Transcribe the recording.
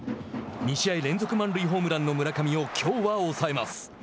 ２試合連続満塁ホームランの村上をきょうは抑えます。